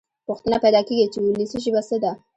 پوښتنه پیدا کېږي چې وولسي ژبه څه ده.